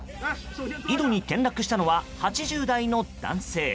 井戸に転落したのは８０代の男性。